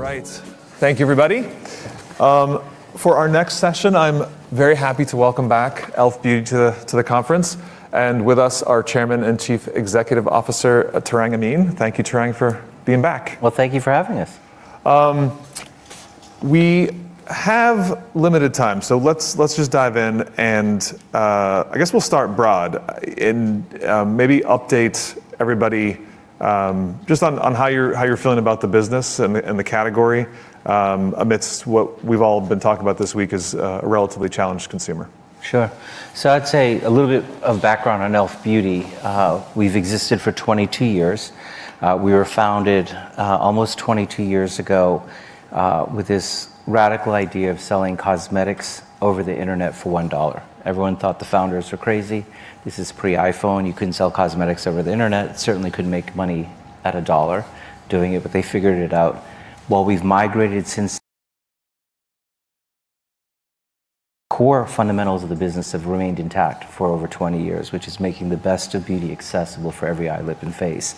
All right. Thank you, everybody. For our next session, I'm very happy to welcome back e.l.f. Beauty to the conference. With us, our Chairman and Chief Executive Officer, Tarang Amin. Thank you, Tarang, for being back. Well, thank you for having us. We have limited time, so let's just dive in, and I guess we'll start broad and maybe update everybody just on how you're feeling about the business and the category amidst what we've all been talking about this week as a relatively challenged consumer. Sure. I'd say a little bit of background on e.l.f. Beauty. We've existed for 22 years. We were founded almost 22 years ago with this radical idea of selling cosmetics over the internet for $1. Everyone thought the founders were crazy. This is pre-iPhone. You couldn't sell cosmetics over the internet. Certainly couldn't make money at a dollar doing it, but they figured it out. While we've migrated since core fundamentals of the business have remained intact for over 20 years, which is making the best of beauty accessible for every eye, lip, and face.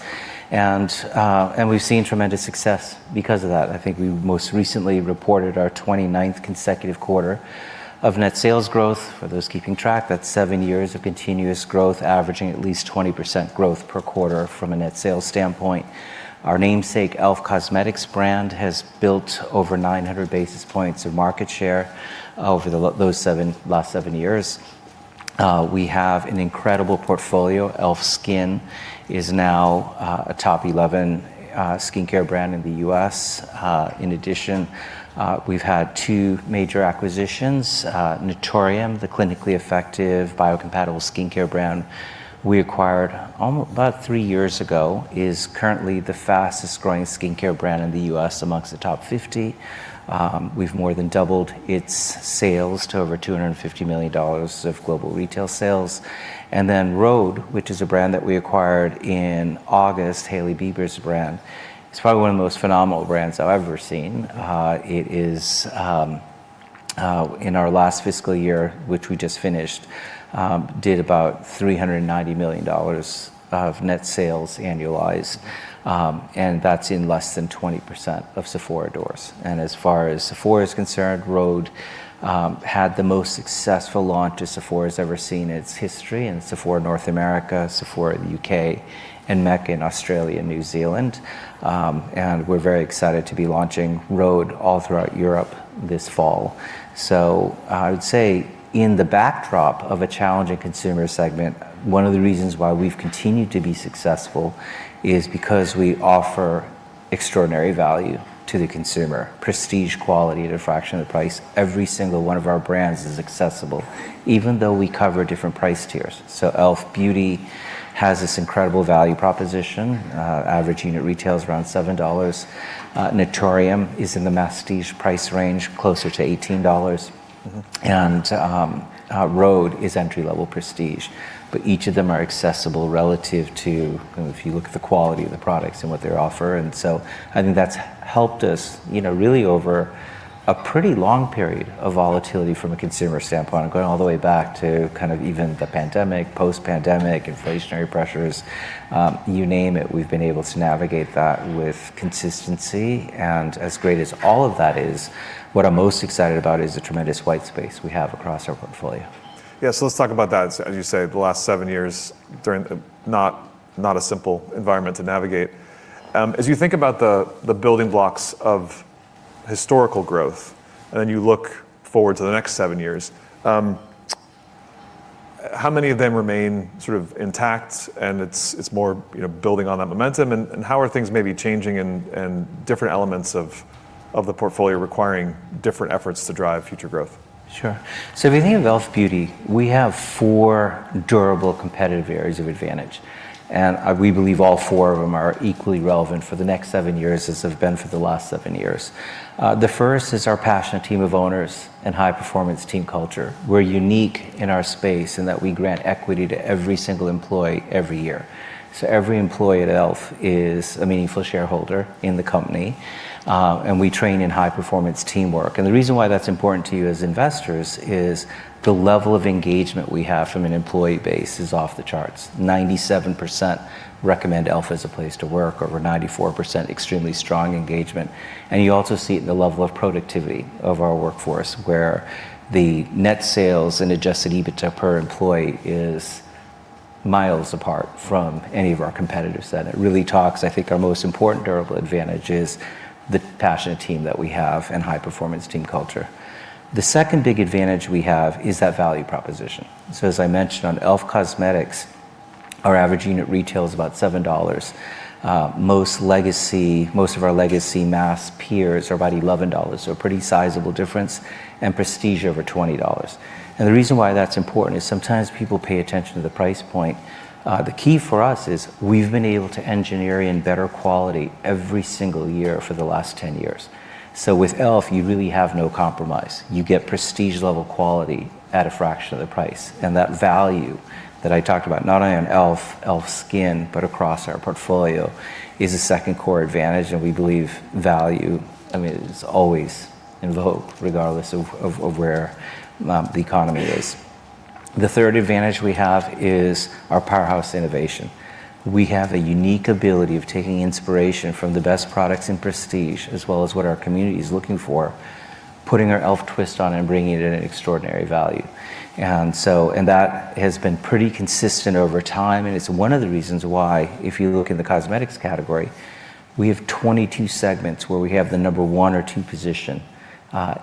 We've seen tremendous success because of that. I think we most recently reported our 29th consecutive quarter of net sales growth. For those keeping track, that's seven years of continuous growth, averaging at least 20% growth per quarter from a net sales standpoint. Our namesake e.l.f. Cosmetics brand has built over 900 basis points of market share over those last seven years. We have an incredible portfolio. e.l.f. SKIN is now a top 11 skincare brand in the U.S. In addition, we've had two major acquisitions. Naturium, the clinically effective biocompatible skincare brand we acquired about three years ago, is currently the fastest-growing skincare brand in the U.S. amongst the top 50. We've more than doubled its sales to over $250 million of global retail sales. rhode, which is a brand that we acquired in August, Hailey Bieber's brand, is probably one of the most phenomenal brands I've ever seen. It is, in our last fiscal year, which we just finished, did about $390 million of net sales annualized. That's in less than 20% of Sephora doors. As far as Sephora is concerned, rhode had the most successful launch that Sephora has ever seen in its history in Sephora North America, Sephora in the U.K., and MECCA in Australia and New Zealand. We're very excited to be launching rhode all throughout Europe this fall. I would say in the backdrop of a challenging consumer segment, one of the reasons why we've continued to be successful is because we offer extraordinary value to the consumer. Prestige quality at a fraction of the price. Every single one of our brands is accessible, even though we cover different price tiers. e.l.f. Beauty has this incredible value proposition, averaging at retails around $7. Naturium is in the masstige price range, closer to $18. rhode is entry-level prestige, but each of them are accessible relative to if you look at the quality of the products and what they offer. I think that's helped us really over a pretty long period of volatility from a consumer standpoint, going all the way back to kind of even the pandemic, post-pandemic, inflationary pressures, you name it. We've been able to navigate that with consistency, and as great as all of that is, what I'm most excited about is the tremendous white space we have across our portfolio. Yeah. Let's talk about that. As you say, the last seven years, Tarang, not a simple environment to navigate. As you think about the building blocks of historical growth, and then you look forward to the next seven years, how many of them remain sort of intact and it's more building on that momentum, and how are things maybe changing in different elements of the portfolio requiring different efforts to drive future growth? Sure. If you think of e.l.f. Beauty, we have four durable competitive areas of advantage, and we believe all four of them are equally relevant for the next seven years as they've been for the last seven years. The first is our passionate team of owners and high-performance team culture. We're unique in our space in that we grant equity to every single employee every year. Every employee at e.l.f. is a meaningful shareholder in the company, and we train in high-performance teamwork. The reason why that's important to you as investors is the level of engagement we have from an employee base is off the charts. 97% recommend e.l.f. as a place to work, over 94% extremely strong engagement. You also see it in the level of productivity of our workforce, where the net sales and adjusted EBITDA per employee is miles apart from any of our competitors. It really talks, I think our most important durable advantage is the passionate team that we have and high-performance team culture. The second big advantage we have is that value proposition. As I mentioned on e.l.f. Cosmetics, our average unit retail is about $7. Most of our legacy mass peers are about $11, so a pretty sizable difference, and prestige over $20. The reason why that's important is sometimes people pay attention to the price point. The key for us is we've been able to engineer in better quality every single year for the last 10 years. With e.l.f., you really have no compromise. You get prestige-level quality at a fraction of the price. That value that I talked about, not only on e.l.f., e.l.f. SKIN, but across our portfolio, is a second core advantage, and we believe value is always in vogue, regardless of where the economy is. The third advantage we have is our powerhouse innovation. We have a unique ability of taking inspiration from the best products in prestige, as well as what our community is looking for, putting our e.l.f. twist on it, and bringing it in at an extraordinary value. That has been pretty consistent over time, and it's one of the reasons why, if you look in the cosmetics category, we have 22 segments where we have the number one or two position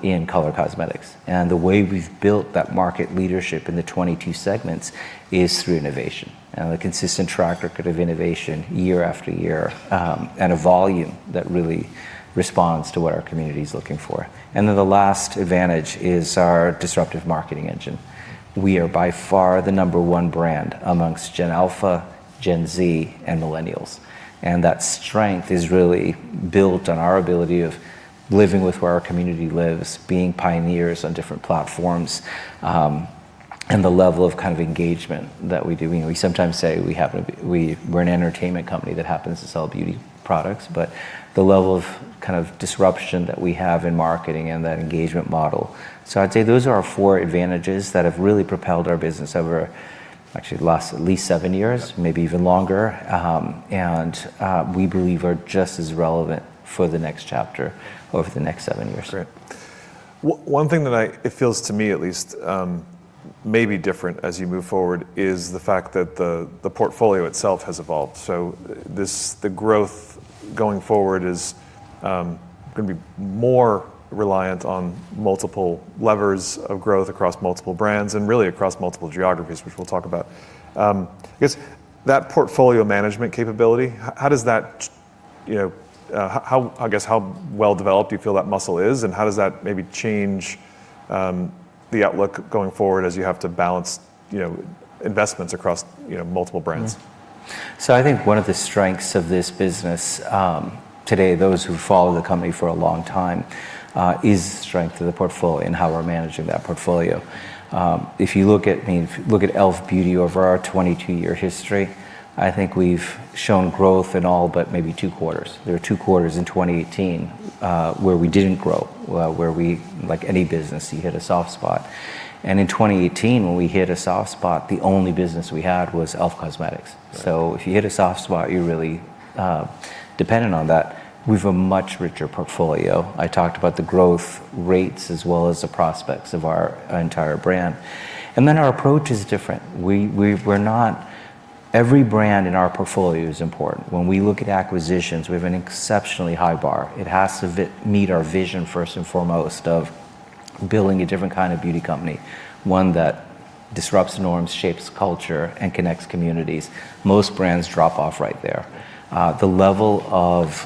in color cosmetics. The way we've built that market leadership in the 22 segments is through innovation. A consistent track record of innovation year after year, and a volume that really responds to what our community's looking for. The last advantage is our disruptive marketing engine. We are by far the number one brand amongst Generation Alpha, Gen Z, and Millennials. That strength is really built on our ability of living with where our community lives, being pioneers on different platforms, and the level of engagement that we do. We sometimes say we're an entertainment company that happens to sell beauty products, but the level of disruption that we have in marketing and that engagement model. I'd say those are our four advantages that have really propelled our business over actually the last at least seven years, maybe even longer, and we believe are just as relevant for the next chapter over the next seven years. Great. One thing that it feels to me at least may be different as you move forward is the fact that the portfolio itself has evolved. The growth going forward is going to be more reliant on multiple levers of growth across multiple brands and really across multiple geographies, which we'll talk about. I guess, that portfolio management capability, how well developed do you feel that muscle is, and how does that maybe change the outlook going forward as you have to balance investments across multiple brands? I think one of the strengths of this business today, those who've followed the company for a long time, is the strength of the portfolio and how we're managing that portfolio. If you look at e.l.f. Beauty over our 22-year history, I think we've shown growth in all but maybe two quarters. There were two quarters in 2018, where we didn't grow, where we, like any business, you hit a soft spot. In 2018, when we hit a soft spot, the only business we had was e.l.f. Cosmetics. Right. If you hit a soft spot, you're really dependent on that. We've a much richer portfolio. I talked about the growth rates as well as the prospects of our entire brand. Our approach is different. Every brand in our portfolio is important. When we look at acquisitions, we have an exceptionally high bar. It has to meet our vision, first and foremost, of building a different kind of beauty company, one that disrupts norms, shapes culture, and connects communities. Most brands drop off right there. The level of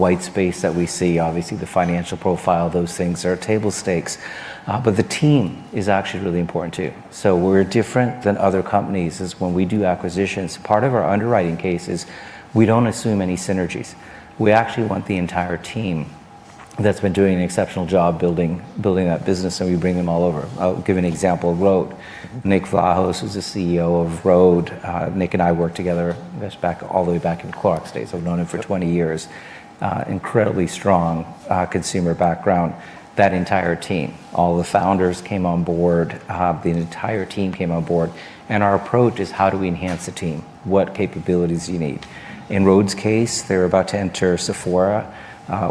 white space that we see, obviously the financial profile, those things are table stakes. The team is actually really important, too. We're different than other companies, is when we do acquisitions, part of our underwriting case is we don't assume any synergies. We actually want the entire team that's been doing an exceptional job building that business, and we bring them all over. I'll give an example of rhode. Nick Vlahos, who's the CEO of rhode, Nick and I worked together all the way back in Clorox days. I've known him for 20 years. Incredibly strong consumer background. That entire team, all the founders came on board. The entire team came on board, and our approach is how do we enhance the team? What capabilities do you need? In rhode's case, they were about to enter Sephora.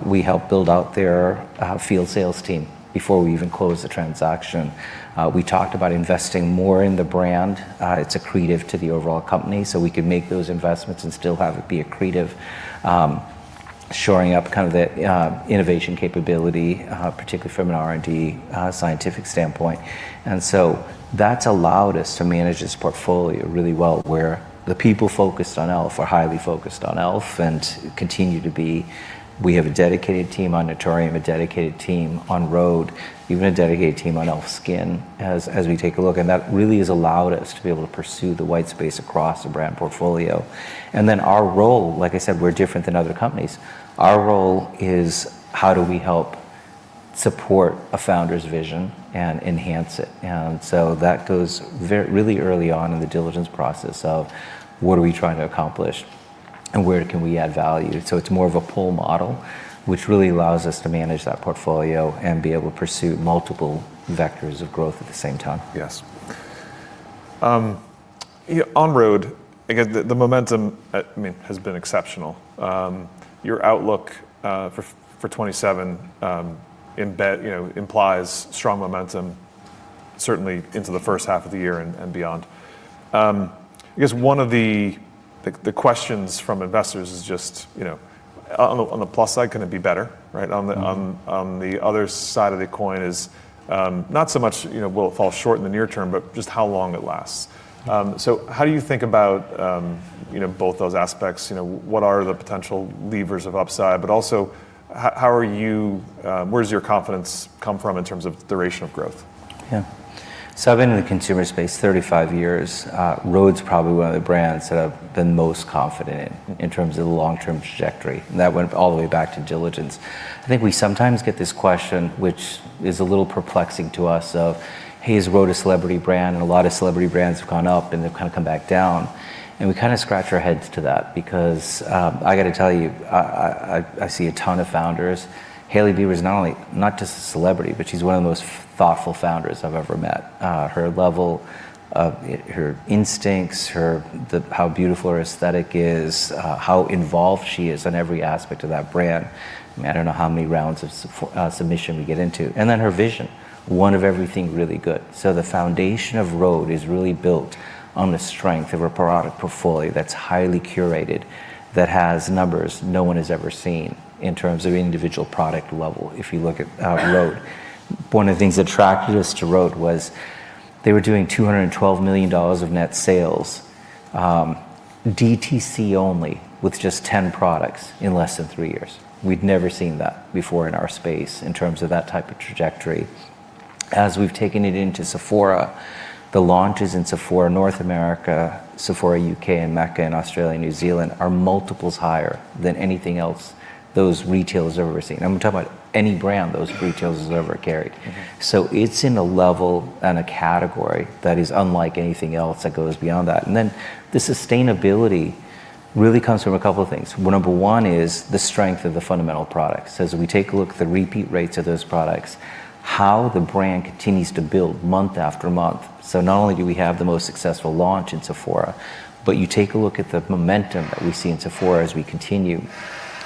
We helped build out their field sales team before we even closed the transaction. We talked about investing more in the brand. It's accretive to the overall company, so we could make those investments and still have it be accretive, shoring up the innovation capability, particularly from an R&D scientific standpoint. That's allowed us to manage this portfolio really well, where the people focused on e.l.f. are highly focused on e.l.f. and continue to be. We have a dedicated team on Naturium, a dedicated team on rhode, even a dedicated team on e.l.f. SKIN as we take a look. That really has allowed us to be able to pursue the white space across the brand portfolio. Our role, like I said, we're different than other companies. Our role is how do we help support a founder's vision and enhance it? That goes really early on in the diligence process of what are we trying to accomplish and where can we add value. It's more of a pull model, which really allows us to manage that portfolio and be able to pursue multiple vectors of growth at the same time. Yes. On rhode, again, the momentum has been exceptional. Your outlook for 2027 implies strong momentum certainly into the first half of the year and beyond. I guess one of the questions from investors is just on the plus side, can it be better, right? On the other side of the coin is, not so much will it fall short in the near term, but just how long it lasts. How do you think about both those aspects? What are the potential levers of upside, but also, where does your confidence come from in terms of duration of growth? Yeah. So I've been in the consumer space 35 years. rhode's probably one of the brands that I've been most confident in terms of the long-term trajectory. That went all the way back to diligence. I think we sometimes get this question, which is a little perplexing to us, Hey, is rhode a celebrity brand? A lot of celebrity brands have gone up, and they've kind of come back down. We kind of scratch our heads to that because I got to tell you, I see a ton of founders. Hailey Bieber is not just a celebrity, but she's one of the most thoughtful founders I've ever met. Her level of her instincts, how beautiful her aesthetic is, how involved she is in every aspect of that brand. I mean, I don't know how many rounds of submission we get into. Her vision, one of everything really good. The foundation of rhode is really built on the strength of a product portfolio that's highly curated, that has numbers no one has ever seen in terms of individual product level, if you look at rhode. One of the things that attracted us to rhode was they were doing $212 million of net sales, DTC only, with just 10 products in less than three years. We'd never seen that before in our space in terms of that type of trajectory. As we've taken it into Sephora, the launches in Sephora North America, Sephora U.K., and MECCA in Australia and New Zealand are multiples higher than anything else those retailers have ever seen. I'm talking about any brand those retailers have ever carried. It's in a level and a category that is unlike anything else that goes beyond that. The sustainability really comes from a couple of things. Number one is the strength of the fundamental products. As we take a look at the repeat rates of those products, how the brand continues to build month after month. Not only do we have the most successful launch in Sephora, but you take a look at the momentum that we see in Sephora as we continue,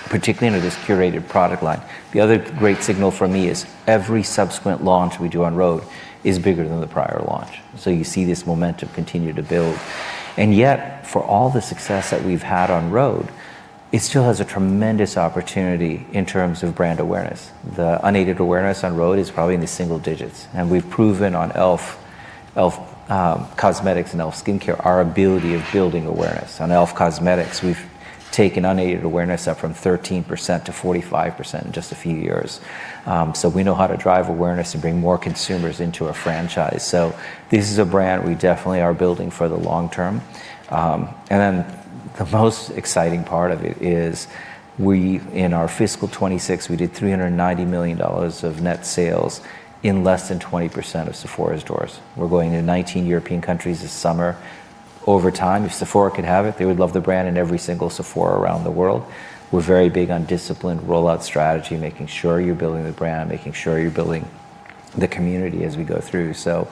particularly under this curated product line. The other great signal for me is every subsequent launch we do on rhode is bigger than the prior launch. You see this momentum continue to build. Yet, for all the success that we've had on rhode, it still has a tremendous opportunity in terms of brand awareness. The unaided awareness on rhode is probably in the single digits. We've proven on e.l.f. Cosmetics and e.l.f. SKIN, our ability of building awareness. On e.l.f. Cosmetics, we've taken unaided awareness up from 13-45% in just a few years. We know how to drive awareness and bring more consumers into a franchise. This is a brand we definitely are building for the long term. The most exciting part of it is in our fiscal 2026, we did $390 million of net sales in less than 20% of Sephora's stores. We're going to 19 European countries this summer. Over time, if Sephora could have it, they would love the brand in every single Sephora around the world. We're very big on disciplined rollout strategy, making sure you're building the brand, making sure you're building the community as we go through. Yeah,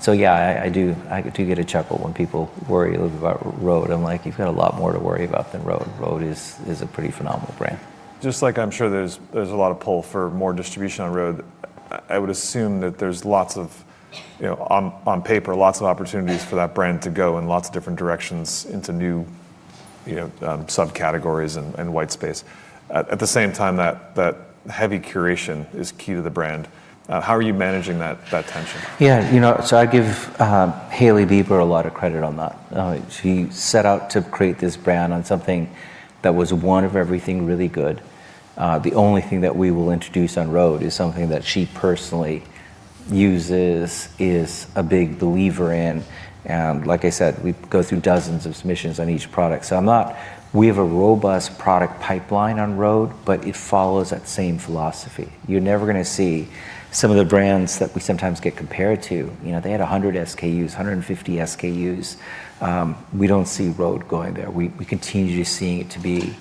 I do get a chuckle when people worry a little about rhode. I'm like, "You've got a lot more to worry about than rhode." rhode is a pretty phenomenal brand. Just like I'm sure there's a lot of pull for more distribution on rhode, I would assume that there's, on paper, lots of opportunities for that brand to go in lots of different directions into new subcategories and white space. At the same time, that heavy curation is key to the brand. How are you managing that tension? I give Hailey Bieber a lot of credit on that. She set out to create this brand on something that was one of everything really good. The only thing that we will introduce on rhode is something that she personally uses, is a big believer in, and like I said, we go through dozens of submissions on each product. We have a robust product pipeline on rhode, it follows that same philosophy. You're never going to see some of the brands that we sometimes get compared to. They had 100 SKUs, 150 SKUs. We don't see rhode going there. We continue seeing it to be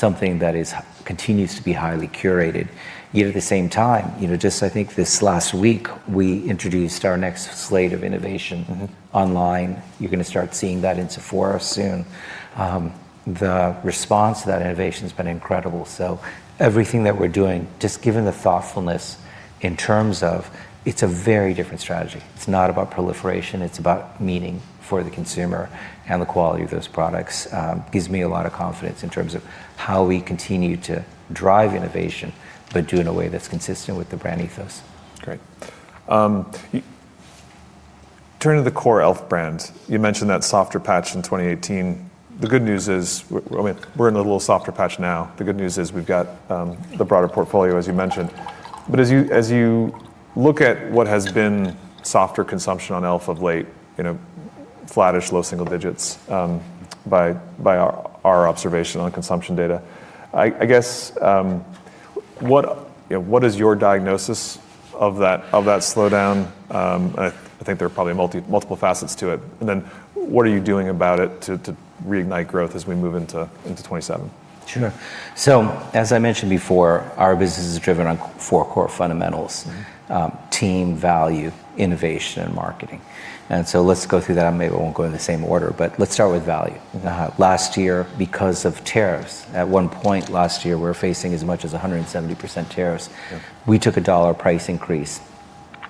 something that continues to be highly curated. At the same time, just I think this last week, we introduced our next slate of innovation online. You're going to start seeing that in Sephora soon. The response to that innovation's been incredible. Everything that we're doing, just given the thoughtfulness in terms of it's a very different strategy. It's not about proliferation, it's about meaning for the consumer and the quality of those products. Gives me a lot of confidence in terms of how we continue to drive innovation, but do in a way that's consistent with the brand ethos. Great. Turning to the core e.l.f. brand, you mentioned that softer patch in 2018. We're in a little softer patch now. The good news is we've got the broader portfolio, as you mentioned. As you look at what has been softer consumption on e.l.f. of late, flattish, low single digits, by our observation on consumption data, I guess what is your diagnosis of that slowdown? I think there are probably multiple facets to it. Then what are you doing about it to reignite growth as we move into FY 2027? Sure. As I mentioned before, our business is driven on four core fundamentals, team, value, innovation, and marketing. Let's go through that. I maybe won't go in the same order, but let's start with value. Last year, because of tariffs, at one point last year, we were facing as much as 170% tariffs. Yeah. We took a dollar price increase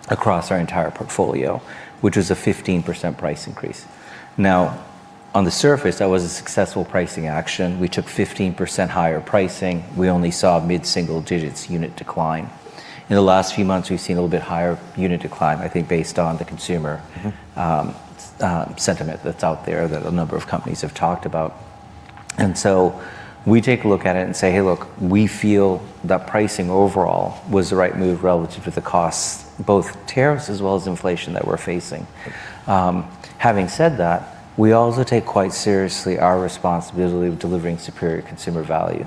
across our entire portfolio, which was a 15% price increase. On the surface, that was a successful pricing action. We took 15% higher pricing. We only saw mid-single digits unit decline. In the last few months, we've seen a little bit higher unit decline, I think, based on the consumer-sentiment that's out there that a number of companies have talked about. We take a look at it and say, hey, look, we feel that pricing overall was the right move relative to the costs, both tariffs as well as inflation that we're facing. Okay. Having said that, we also take quite seriously our responsibility of delivering superior consumer value.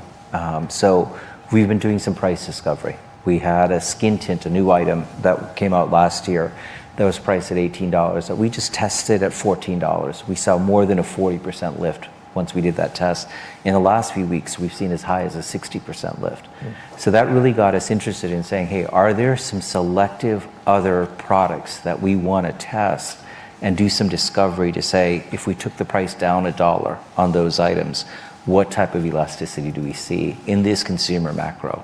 We've been doing some price discovery. We had a skin tint, a new item that came out last year that was priced at $18 that we just tested at $14. We saw more than a 40% lift once we did that test. In the last few weeks, we've seen as high as a 60% lift. Okay. That really got us interested in saying, "Hey, are there some selective other products that we want to test and do some discovery to say if we took the price down $1 on those items, what type of elasticity do we see in this consumer macro?"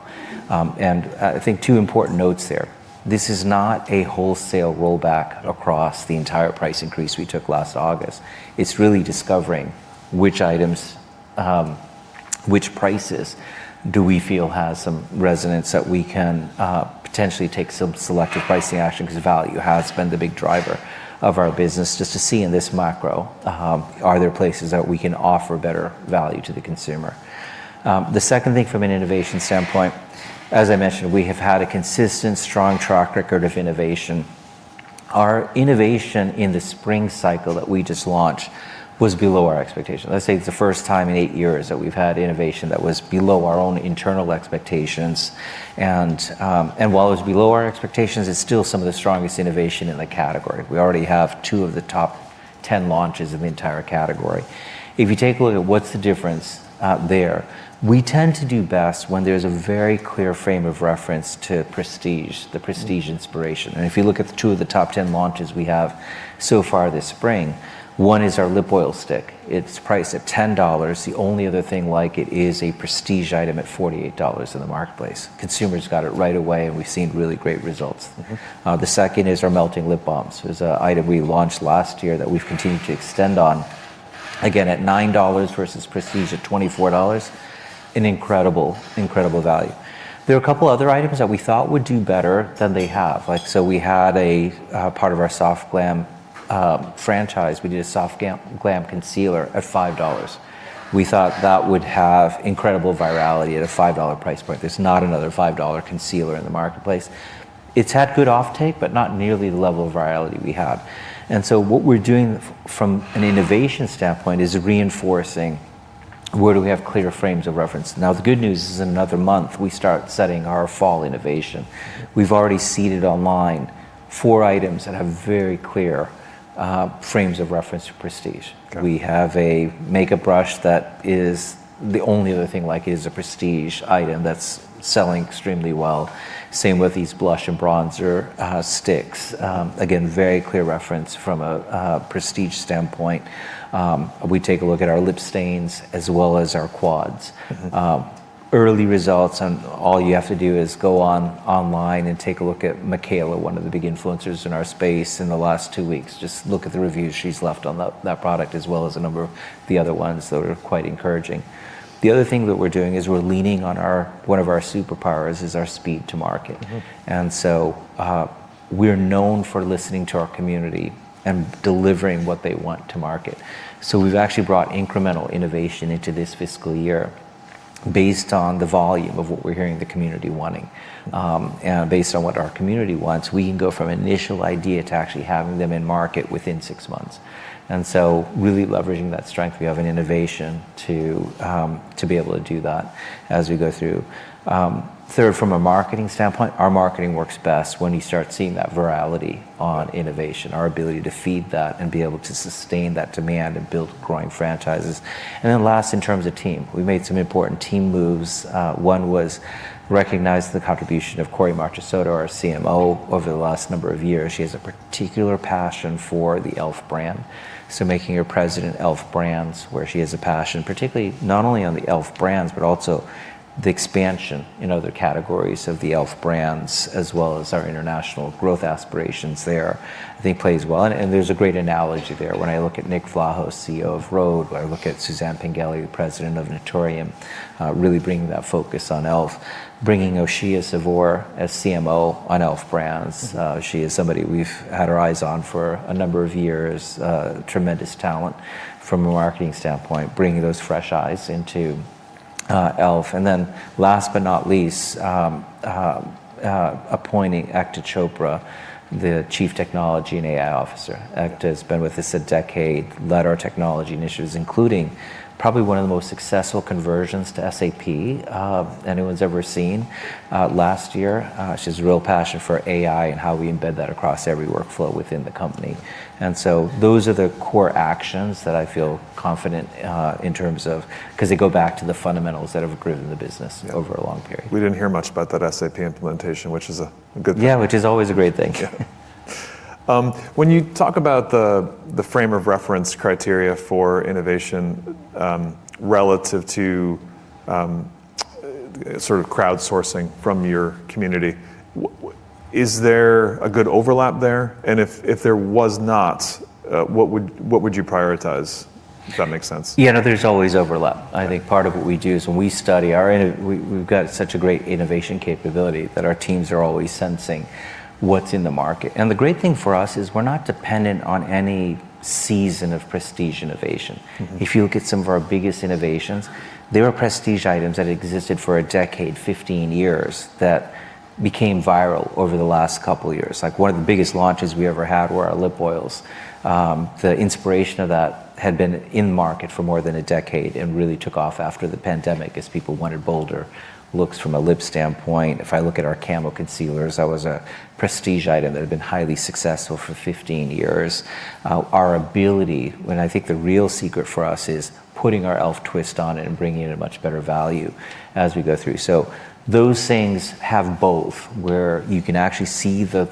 I think two important notes there. This is not a wholesale rollback across the entire price increase we took last August. It's really discovering which prices do we feel have some resonance that we can potentially take some selective pricing action because value has been the big driver of our business just to see in this macro, are there places that we can offer better value to the consumer? The second thing from an innovation standpoint, as I mentioned, we have had a consistent strong track record of innovation. Our innovation in the spring cycle that we just launched was below our expectations. Let's say it's the first time in eight years that we've had innovation that was below our own internal expectations. While it was below our expectations, it's still some of the strongest innovation in the category. We already have two of the top 10 launches in the entire category. If you take a look at what's the difference out there, we tend to do best when there's a very clear frame of reference to prestige, the prestige inspiration. If you look at the two of the top 10 launches we have so far this spring, one is our lip oil stick. It's priced at $10. The only other thing like it is a prestige item at $48 in the marketplace. Consumers got it right away, and we've seen really great results. The second is our melting lip balms. It was an item we launched last year that we've continued to extend on, again, at $9 versus prestige at $24. An incredible value. There are a couple other items that we thought would do better than they have. We had a part of our Soft Glam franchise. We did a Soft Glam Concealer at $5. We thought that would have incredible virality at a $5 price point. There's not another $5 concealer in the marketplace. It's had good off-take, but not nearly the level of virality we had. What we're doing from an innovation standpoint is reinforcing where do we have clear frames of reference. The good news is in another month, we start setting our fall innovation. We've already seeded online four items that have very clear frames of reference to prestige. Okay. We have a makeup brush that the only other thing like it is a prestige item that's selling extremely well. Same with these blush and bronzer sticks. Again, very clear reference from a prestige standpoint. We take a look at our lip stains as well as our quads. Early results. All you have to do is go online and take a look at Mikayla Jane Nogueira, one of the big influencers in our space in the last two weeks. Just look at the reviews she's left on that product as well as a number of the other ones that are quite encouraging. The other thing that we're doing is we're leaning on one of our superpowers is our speed to market. We're known for listening to our community and delivering what they want to market. We've actually brought incremental innovation into this fiscal year based on the volume of what we're hearing the community wanting. Based on what our community wants, we can go from initial idea to actually having them in market within six months. Really leveraging that strength we have in innovation to be able to do that as we go through. Third, from a marketing standpoint, our marketing works best when you start seeing that virality on innovation, our ability to feed that and be able to sustain that demand and build growing franchises. Last, in terms of team, we made some important team moves. One was recognize the contribution of Kory Marchisotto, our CMO, over the last number of years. She has a particular passion for the e.l.f. Brand Making her President, e.l.f. Brands, where she has a passion, particularly not only on the e.l.f. Brands, but also the expansion in other categories of the e.l.f. Brands as well as our international growth aspirations there, I think plays well. There's a great analogy there. When I look at Nick Vlahos, CEO of rhode, when I look at Susan Yara, President of Naturium really bringing that focus on e.l.f., bringing Oshiya Savur as CMO on e.l.f. Brands. She is somebody we've had our eyes on for a number of years. Tremendous talent from a marketing standpoint, bringing those fresh eyes into e.l.f. Last but not least, appointing Ekta Chopra, the Chief Technology and AI Officer. Ekta has been with us a decade, led our technology initiatives, including probably one of the most successful conversions to SAP anyone's ever seen last year. She has a real passion for AI and how we embed that across every workflow within the company. Those are the core actions that I feel confident in terms of because they go back to the fundamentals that have driven the business over a long period. We didn't hear much about that SAP implementation, which is a good thing. Yeah, which is always a great thing. Yeah. When you talk about the frame of reference criteria for innovation relative to sort of crowdsourcing from your community, is there a good overlap there? If there was not, what would you prioritize? Does that make sense? Yeah, no, there's always overlap. I think part of what we do is when we study We've got such a great innovation capability that our teams are always sensing what's in the market. The great thing for us is we're not dependent on any season of prestige innovation. If you look at some of our biggest innovations, they were prestige items that existed for a decade, 15 years, that became viral over the last couple of years. One of the biggest launches we ever had were our lip oils. The inspiration of that had been in the market for more than a decade and really took off after the pandemic as people wanted bolder looks from a lip standpoint. If I look at our Camo Concealers, that was a prestige item that had been highly successful for 15 years. Our ability when I think the real secret for us is putting our e.l.f. twist on it and bringing in a much better value as we go through. Those things have both, where you can actually see the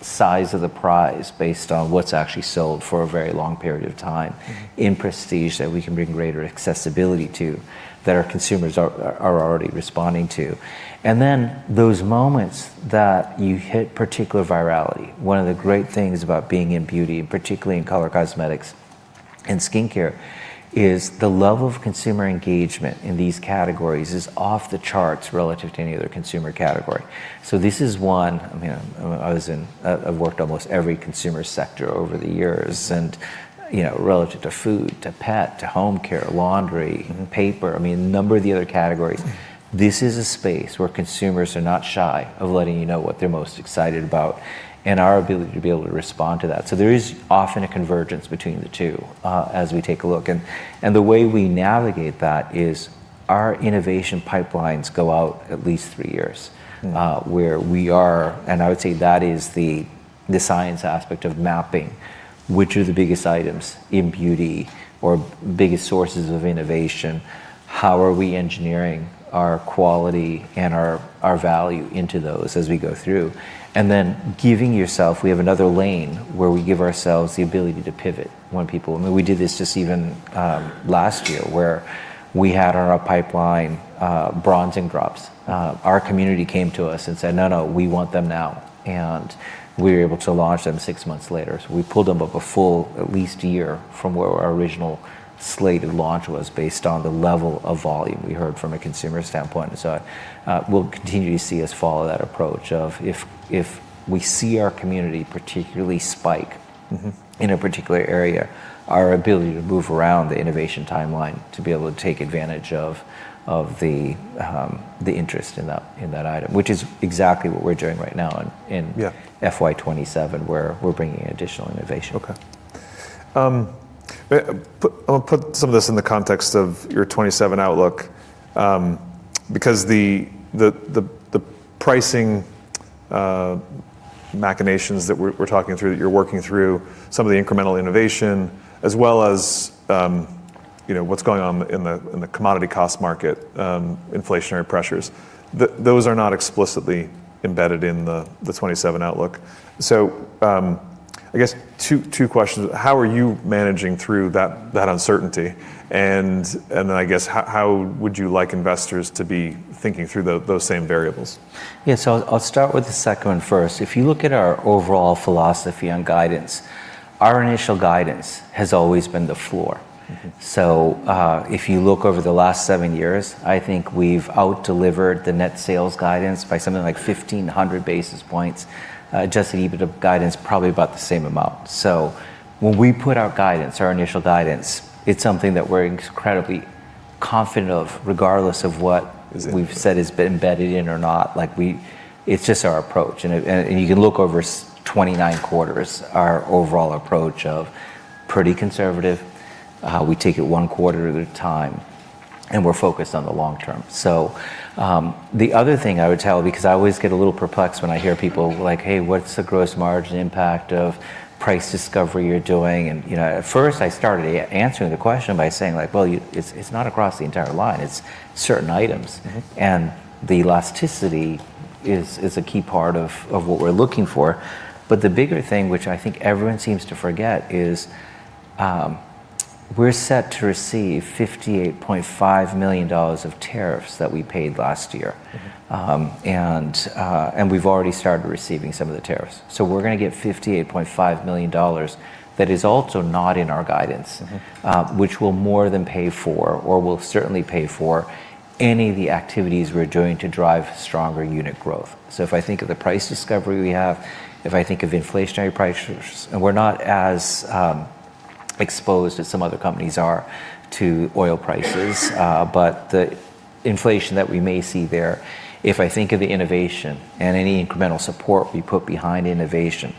size of the prize based on what's actually sold for a very long period of time in prestige that we can bring greater accessibility to, that our consumers are already responding to. Then those moments that you hit particular virality. One of the great things about being in beauty, and particularly in color cosmetics and skincare, is the level of consumer engagement in these categories is off the charts relative to any other consumer category. This is one, I've worked almost every consumer sector over the years and relative to food, to pet, to home care, laundry, paper, a number of the other categories. This is a space where consumers are not shy of letting you know what they're most excited about, and our ability to be able to respond to that. There is often a convergence between the two as we take a look. The way we navigate that is our innovation pipelines go out at least three years Where we are, I would say that is the science aspect of mapping, which are the biggest items in beauty or biggest sources of innovation, how are we engineering our quality and our value into those as we go through? Then giving yourself, we have another lane where we give ourselves the ability to pivot when people I mean, we did this just even last year, where we had our pipeline Bronzing Drops. Our community came to us and said, "No, no, we want them now." We were able to launch them 6 months later. We pulled them up a full at least a year from where our original slated launch was based on the level of volume we heard from a consumer standpoint. You will continue to see us follow that approach of if we see our community particularly spike- in a particular area, our ability to move around the innovation timeline, to be able to take advantage of the interest in that item, which is exactly what we're doing right now- Yeah -FY 2027, where we're bringing additional innovation. Okay. I'll put some of this in the context of your FY 2027 outlook, because the pricing machinations that we're talking through, that you're working through, some of the incremental innovation, as well as what's going on in the commodity cost market, inflationary pressures, those are not explicitly embedded in the FY 2027 outlook. I guess two questions. How are you managing through that uncertainty? I guess, how would you like investors to be thinking through those same variables? Yeah. I'll start with the second one first. If you look at our overall philosophy on guidance, our initial guidance has always been the floor. If you look over the last seven years, I think we've out-delivered the net sales guidance by something like 1,500 basis points, adjusted EBITDA guidance probably about the same amount. When we put our guidance, our initial guidance, it's something that we're incredibly confident of, regardless of- Exactly -what we've said has been embedded in or not. It's just our approach. You can look over 29 quarters, our overall approach of pretty conservative. We take it one quarter at a time, and we're focused on the long term. The other thing I would tell, because I always get a little perplexed when I hear people like, "Hey, what's the gross margin impact of price discovery you're doing?" At first, I started answering the question by saying, "Well, it's not across the entire line, it's certain items. The elasticity is a key part of what we're looking for. The bigger thing, which I think everyone seems to forget, is we're set to receive $58.5 million of tariffs that we paid last year. We've already started receiving some of the tariffs. We're going to get $58.5 million that is also not in our guidance. Which will more than pay for or will certainly pay for any of the activities we're doing to drive stronger unit growth. If I think of the price discovery we have, if I think of inflationary pressures, and we're not as exposed as some other companies are to oil prices, but the inflation that we may see there, if I think of the innovation and any incremental support we put behind innovation,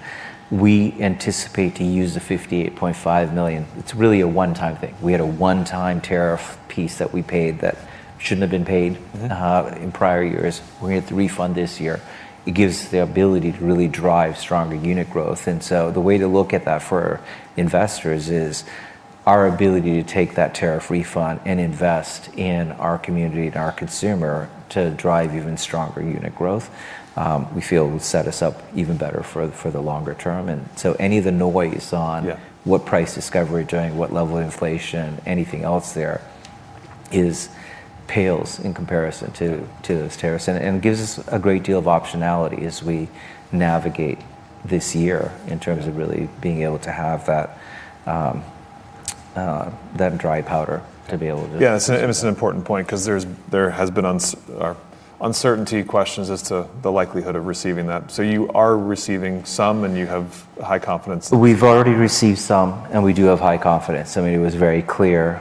we anticipate to use the $58.5 million. It's really a one-time thing. We had a one-time tariff piece that we paid that shouldn't have been paid. in prior years. We're going to hit the refund this year. It gives the ability to really drive stronger unit growth. The way to look at that for investors is our ability to take that tariff refund and invest in our community and our consumer to drive even stronger unit growth, we feel will set us up even better for the longer term to any of the noise on- Yeah. -what price discovery we're doing, what level of inflation, anything else there pales in comparison to those tariffs. It gives us a great deal of optionality as we navigate this year in terms of really being able to have that dry powder. It's an important point because there has been uncertainty questions as to the likelihood of receiving that. You are receiving some, and you have high confidence. We've already received some, and we do have high confidence. I mean, it was very clear,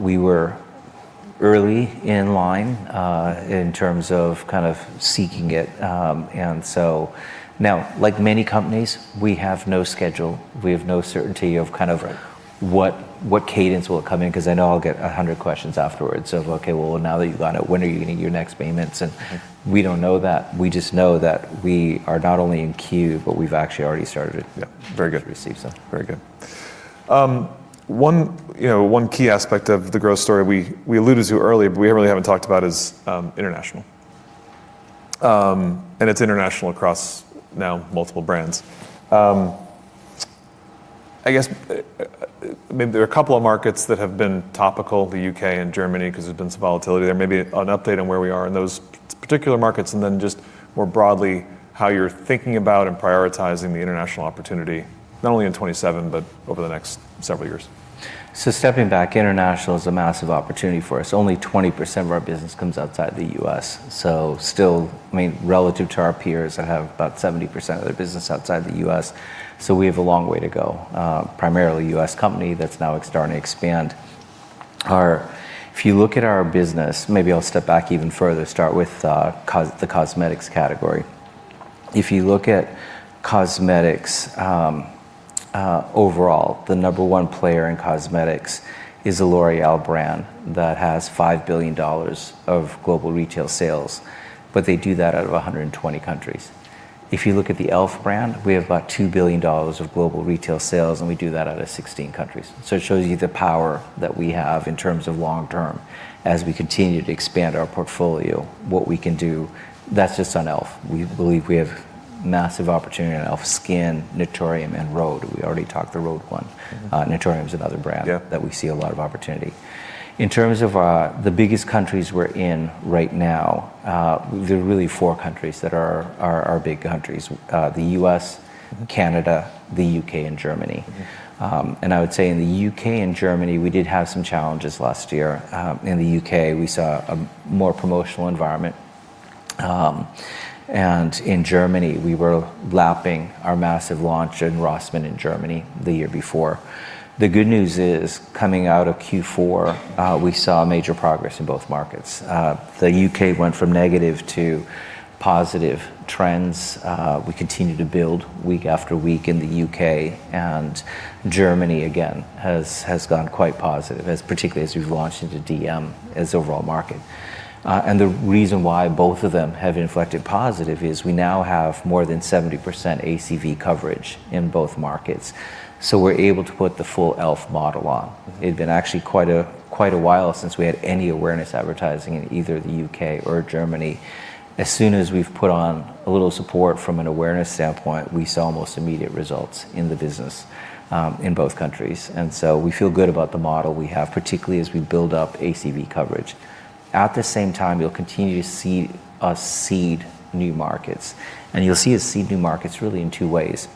we were early in line, in terms of kind of seeking it. Like many companies, we have no schedule, we have no certainty of kind of what cadence will it come in, because I know I'll get 100 questions afterwards of, "Okay, well now that you got it, when are you going to get your next payments?" We don't know that. We just know that we are not only in queue, but we've actually already started- Yeah. Very good. -received some. Very good. One key aspect of the growth story we alluded to earlier, but we really haven't talked about is international. It's international across now multiple brands. I guess, maybe there are a couple of markets that have been topical, the U.K. and Germany, because there's been some volatility there. Maybe an update on where we are in those particular markets, and then just more broadly, how you're thinking about and prioritizing the international opportunity, not only in FY 2027, but over the next several years. Stepping back, international is a massive opportunity for us. Only 20% of our business comes outside the U.S. Still, I mean, relative to our peers that have about 70% of their business outside the U.S., so we have a long way to go. Primarily U.S. company that's now starting to expand. If you look at our business, maybe I'll step back even further, start with the cosmetics category. If you look at cosmetics, overall, the number one player in cosmetics is a L'Oréal brand that has $5 billion of global retail sales, but they do that out of 120 countries. If you look at the e.l.f. brand, we have about $2 billion of global retail sales, and we do that out of 16 countries. It shows you the power that we have in terms of long-term as we continue to expand our portfolio, what we can do. That's just on e.l.f. We believe we have massive opportunity on e.l.f. SKIN, Naturium, and rhode. We already talked the rhode one. Naturium's another brand- Yeah -that we see a lot of opportunity. In terms of the biggest countries we're in right now, there are really four countries that are our big countries. The U.S., Canada, the U.K., and Germany. I would say in the U.K. and Germany, we did have some challenges last year. In the U.K., we saw a more promotional environment. In Germany, we were lapping our massive launch in Rossmann in Germany the year before. The good news is, coming out of Q4, we saw major progress in both markets. The U.K. went from negative to positive trends. We continue to build week after week in the U.K., and Germany, again, has gone quite positive, particularly as we've launched into dm, as overall market. The reason why both of them have inflected positive is we now have more than 70% ACV coverage in both markets. We're able to put the full e.l.f. model on. It'd been actually quite a while since we had any awareness advertising in either the U.K. or Germany. As soon as we've put on a little support from an awareness standpoint, we saw almost immediate results in the business in both countries. We feel good about the model we have, particularly as we build up ACV coverage. At the same time, you'll continue to see us seed new markets, you'll see us seed new markets really in two ways.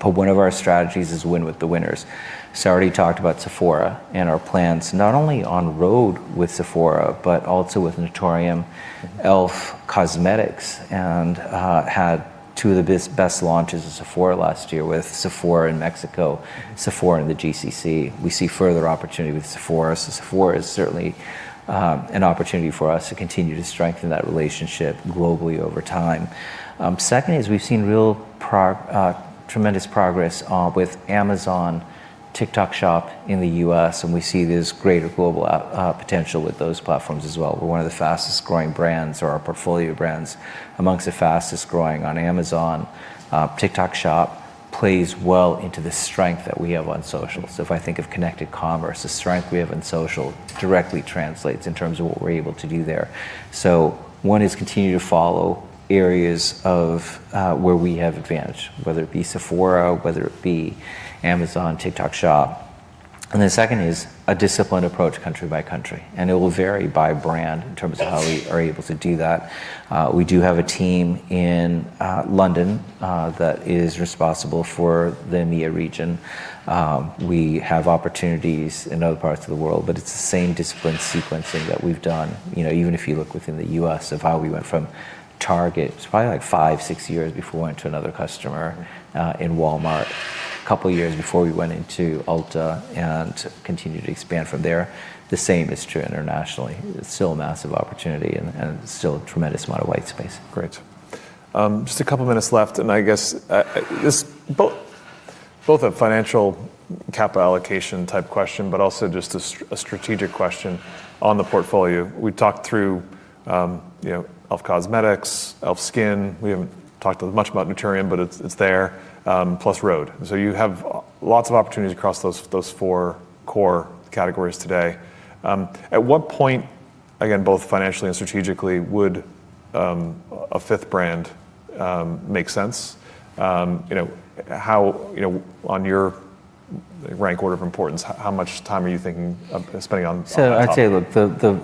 One of our strategies is win with the winners. I already talked about Sephora and our plans, not only on rhode with Sephora, but also with Naturium, e.l.f. Cosmetics, and had two of the best launches with Sephora last year with Sephora in Mexico, Sephora in the GCC. We see further opportunity with Sephora. Sephora is certainly an opportunity for us to continue to strengthen that relationship globally over time. Second is we've seen real tremendous progress with Amazon, TikTok Shop in the U.S. We see there's greater global potential with those platforms as well. We're one of the fastest-growing brands, or our portfolio brands amongst the fastest-growing on Amazon. TikTok Shop plays well into the strength that we have on social. If I think of connected commerce, the strength we have on social directly translates in terms of what we're able to do there. One is continue to follow areas of where we have advantage, whether it be Sephora, whether it be Amazon, TikTok Shop. The second is a disciplined approach country by country, and it will vary by brand in terms of how we are able to do that. We do have a team in London that is responsible for the EMEA region. We have opportunities in other parts of the world, but it's the same discipline sequencing that we've done. Even if you look within the U.S. of how we went from Target, it's probably like five, six years before we went to another customer in Walmart, couple years before we went into Ulta and continued to expand from there. The same is true internationally. It's still a massive opportunity and still a tremendous amount of white space. Great. Just a couple minutes left, I guess, both a financial capital allocation type question, but also just a strategic question on the portfolio. We've talked through e.l.f. Cosmetics, e.l.f. SKIN. We haven't talked much about Naturium, but it's there, plus rhode. You have lots of opportunities across those four core categories today. At what point, again, both financially and strategically, would a fifth brand make sense? On your rank order of importance, how much time are you thinking of spending on the top? I'd say,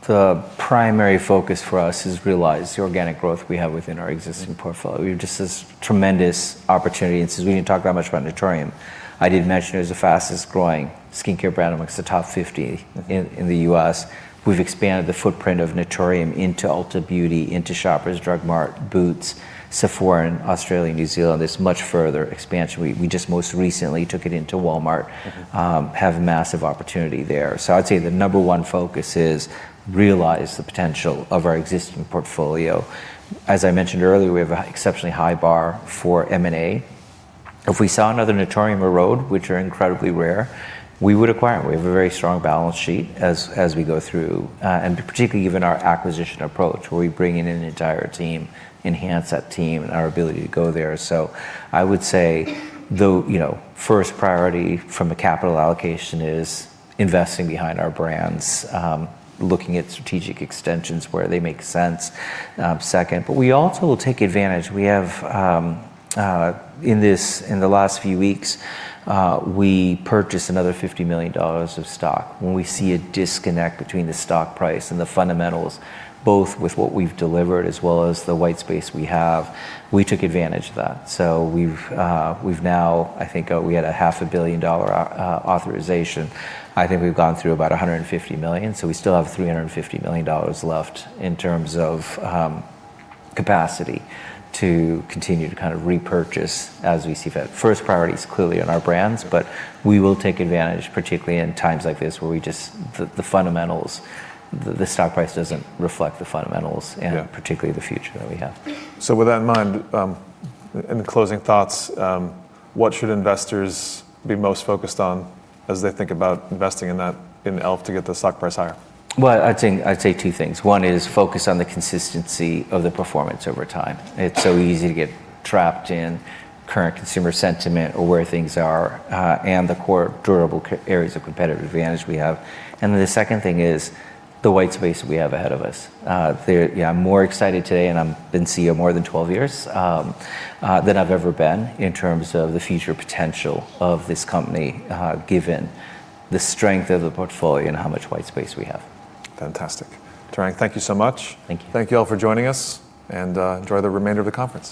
look, the primary focus for us is realize the organic growth we have within our existing portfolio. We have just this tremendous opportunity, and since we didn't talk that much about Naturium, I did mention it was the fastest-growing skincare brand amongst the top 50 in the U.S. We've expanded the footprint of Naturium into Ulta Beauty, into Shoppers Drug Mart, Boots, Sephora in Australia and New Zealand. There's much further expansion. We just most recently took it into Walmart, have massive opportunity there. I'd say the number one focus is realize the potential of our existing portfolio. As I mentioned earlier, we have an exceptionally high bar for M&A. If we saw another Naturium or rhode, which are incredibly rare, we would acquire them. We have a very strong balance sheet as we go through, particularly given our acquisition approach, where we bring in an entire team, enhance that team, and our ability to go there. I would say the first priority from a capital allocation is investing behind our brands, looking at strategic extensions where they make sense second. We also will take advantage. In the last few weeks, we purchased another $50 million of stock. When we see a disconnect between the stock price and the fundamentals, both with what we've delivered as well as the white space we have, we took advantage of that. We've now, I think we had a half a billion dollar authorization. I think we've gone through about $150 million, we still have $350 million left in terms of capacity to continue to kind of repurchase as we see fit. First priority is clearly on our brands, but we will take advantage, particularly in times like this, where the stock price doesn't reflect the fundamentals- Yeah -particularly the future that we have. With that in mind, any closing thoughts? What should investors be most focused on as they think about investing in e.l.f. to get the stock price higher? Well, I'd say two things. One is focus on the consistency of the performance over time, it's so easy to get trapped in current consumer sentiment or where things are, and the core durable areas of competitive advantage we have. The second thing is the white space we have ahead of us. I'm more excited today, and I've been CEO more than 12 years, than I've ever been in terms of the future potential of this company, given the strength of the portfolio and how much white space we have. Fantastic. Tarang, thank you so much. Thank you. Thank you all for joining us, and enjoy the remainder of the conference